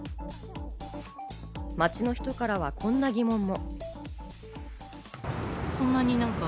街の人からはこんな疑問も。